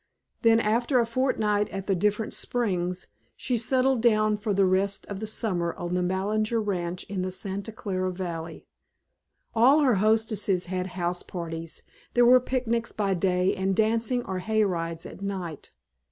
Then, after a fortnight at the different "Springs" she settled down for the rest of the summer on the Ballinger ranch in the Santa Clara valley. All her hostesses had house parties, there were picnics by day and dancing or hay rides at night.